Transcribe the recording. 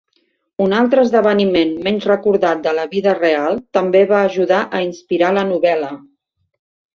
Un altre esdeveniment menys recordat de la vida real també va ajudar a inspirar la novel·la.